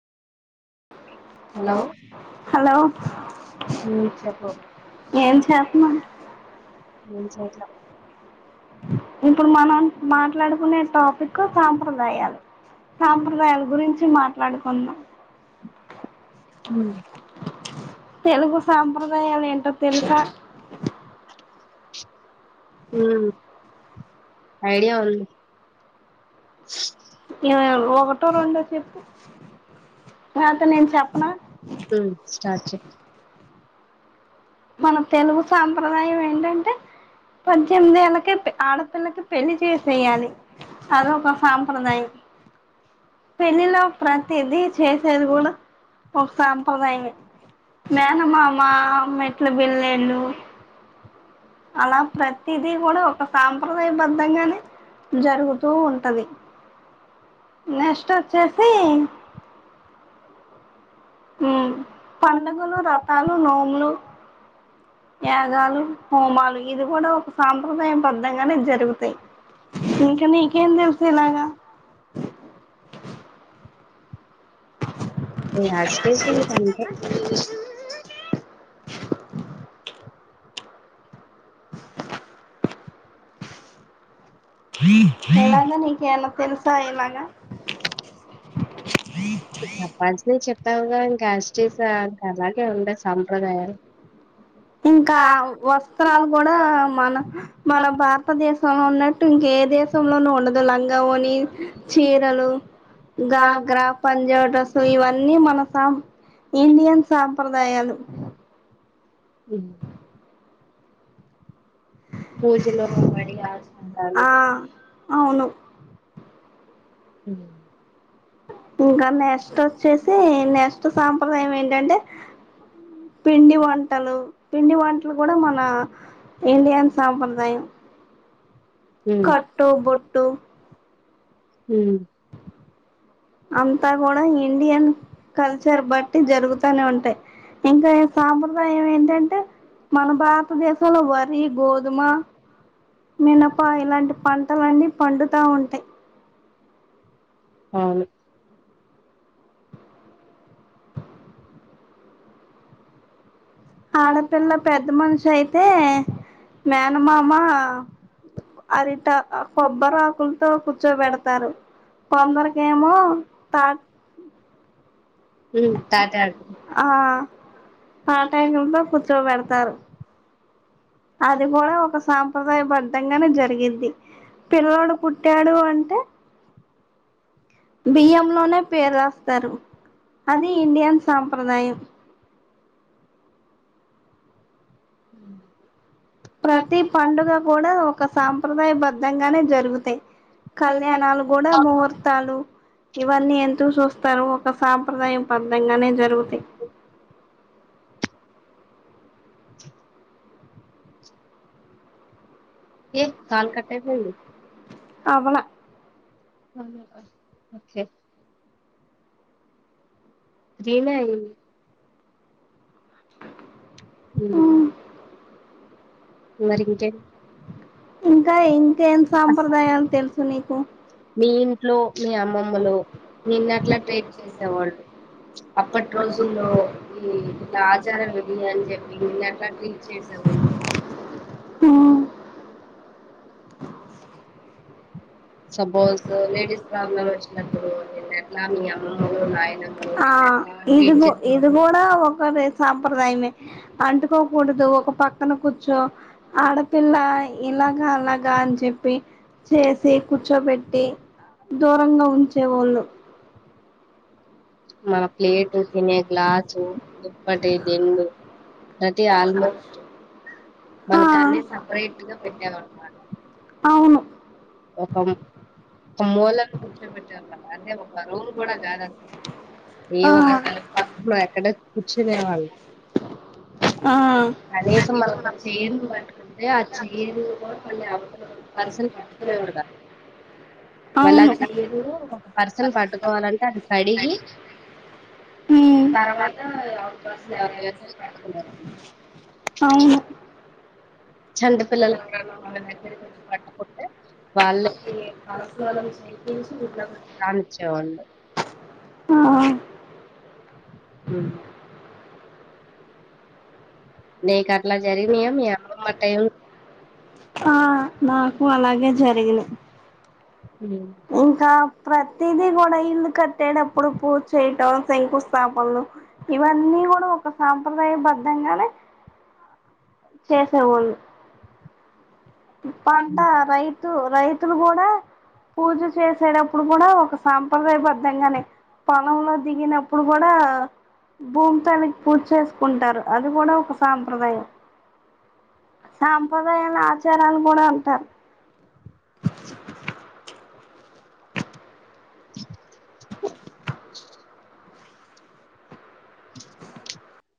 Hello hello మ్ చెప్పు ఏం చేస్తున్నావ్ ఏం చేస్తా ఇప్పుడు మనం మాట్లాడుకునే టాపిక్ సాంప్రదాయాలు సాంప్రదాయాల గురించి మాట్లాడుకుందాం హ్మ్ తెలుగు సాంప్రదాయాలు ఏంటో తెలుసా హ్మ్ ఐడియా ఉంది ఏమైనా ఒకటో రెండో చెప్పు లేపోతే నేను చెప్పానా హ్మ్ స్టార్ట్ చెయ్ మన తెలుగు సాంప్రదాయం ఏంటంటే పద్దెనిమిది ఏళ్ళకే ప్ ఆడపిల్లకి పెళ్లి చేసేయాలి అదో ఒక సాంప్రదాయం పెళ్ళిలో ప్రతిదీ చేసేది కూడా ఒక సాంప్రదాయమే మేనమామ మేట్లే బిల్లేలు అలా ప్రతిదీ కూడా ఒక సాంప్రదాయం బద్ధంగానే జరుగుతూ ఉంటాది నెస్ట్ వచ్చేసి హ్మ్ పండుగలు రథాలు నోములూ యాగాలు హోమాలు ఇవి కూడా ఒక సాంప్రదాయ బద్ధంగానే జరుగుతాయి ఇంకా నీకు ఏం తెలుసు ఇలాగా ఇగ యస్టిపింక్ అంటే ఆ. తరువాత నీకు ఏమన్న తెలుసా ఇలాగా చాప్పల్సినావి చెప్పాముగా ఇంకా యస్టిస్ ఇంకా అలాగే ఉంటాయి సాంప్రదాయాలు ఇంకా వస్త్రాలు కూడా మన మన భార్ త దేశంలో ఉన్నట్టు ఇంకా ఏ దేశంలోనూ ఉండదు లంగా ఓని చీరలు గా గ్రా పంజాబ్ డ్రెస్ సో ఇవన్నీ మన సాం ఇండియన్ సాంప్రదాయాలు హ్మ్ పూజలో ఉండాలి ఆ అవును హ్మ్ ఇంకా నెక్స్ట్ వచ్చేసి నెక్స్ట్ సాంప్రదాయం ఏంటంటే పిండి వంటలు పిండి వంటలు కూడా మన ఇండియన్ సాంప్రదాయం కట్టు బొట్టు హ్మ్ అంతా కూడా ఇండియన్ కల్చర్ బట్టి జరుగుతానే ఉంటాయి ఇంకా సాంప్రదాయం ఏంటంటే మన భారతదేశంలో వరి గోధుమ మినప ఇలాంటి పంటలన్నీ పండుతా ఉంటాయి అవును ఆడపిల్ల పెద్దమనిషి అయితే మేనమామ అరిట కొబ్బరాకులతో కూర్చోబెడతారు కొందరికేమో తాట్ ఉమ్ తాటి తాటాకు ఆకులు ఆ తాటి ఆకులతో కూర్చోబెడుతారు అది కూడా ఒక సాంప్రదాయ బద్దంగానే జరిగిద్ధి పిల్లోడు పుట్ ట్టడు అంటే బియ్యం లోనే పేరు రాస్తారు అది ఇండియన్ సాంప్రదాయం హు ప్రతి పండుగ కూడా ఒక సాంప్రదాయ బద్దంగానే జరుగుతాయి కళ్యాణాలు కూడా ముహూర్తాలు ఇవన్నీ ఎంతో చూస్తారు ఒక సాంప్రదాయం పెద్దంగానే జరుగుతాయి ఏ కాల్ కట్ అయి పోఇంది అవలా ఒకే జినా ఈ మ్ మరి ఇంకే ఇంకా ఇంకేం సాంప్రదాయాల్ తెలుసు నీకు మీ ఇంట్లో మీ అమ్మమ్మలు నిను నిన్ను గట్లా ఎట్లా ప్లేట్ ట్రీట్ చేసేవాళ్ళు చేసావాండి అప్పటి రోజుల్లో ఈ ఇలా రాజ ఆచార బడియా అని చెప్పిన్న మీరట్లా ట్రీట్ చేసేవాళ్ళు. [unintelligible] Suppose suppose ladies problem problem వచ్చినా వచ్చినప్పుడు మీ అమ్మ ఆ ఇది ట్రీట్ కు ఇది చేసేవాళ్ళు. కూడా ఒక రేస్ సాంప్రదాయమే అంటుకోకూడదు ఒక పక్కన కూర్చో ఆడపిల్ల ఇలాగా అలాగా అన్ చెప్పి చేసి కూర్చోబెట్టి దూరంగా ఉంచే ఒళ్ళు మా మన ఫ్లెట్ ప్లేటు, తినే సునీత గ్లాసు, దుప్పటి, దిండు [unintelligible] దాంట్లో చ్ మనకాన్ని సపరేట్ గా పెట్టేవాళ్ళు. అవును ఒక ఒక మూలన కూర్చోబెట్టేవాళ్ళు. అంటే ఒక రూమ్ కూడా కాదు [unintelligible] ఏ ఆ ఒక్క పక్కలో అక్కడ కూర్చునే వాళ్ళు ఆ కనీసం మనం చైర్ పట్టుకుంటే ఆ చైర్ పర్సన్ కూర్చునేవారు కాదు. [unintelligible] మళ్ళ ఆ అవును చైర్ ఒక పర్సన్ పట్టుకోవాలంటే అది కడిగి మ్ తర్వాత అవును చంటి [unintelligible] పిల్లలు పట్టుకుంటే వాళ్ళే తలస్నానం చేపించి ఇంట్లోకి రానిచ్చేవాళ్ళు ఆ ఉమ్మ్ నీకు అట్లా జరిగినాయా మీ అమ్మమ్మ టైం ఆ నాకు అలాగే జరిగినాయి ఉమ్మ్ ఇంకా ప్రతిదీ కూడా ఇల్లు కొట్టేటప్పుడు పూజ చేయటం శంకు స్థాపన్లు ఇవన్నీ కూడా ఒక సాంప్రదాయ బద్ధంగానే చేసేవొళ్లు పంట రై తు రైతులు కూడా పూజ చేసేటప్పుడు కూడా ఒక సాంప్రదాయ బద్ధంగానే పొలంలో దిగినప్పుడు కూడా భూమి తల్లికి పూజ చేసుకుంటారు అది కూడా ఒక సాంప్రదాయం సాంప్రదాయాలన్ని అ చార అని కూడా ఉంటారు